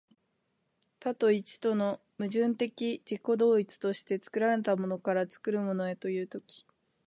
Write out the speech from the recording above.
多と一との矛盾的自己同一として、作られたものから作るものへという時、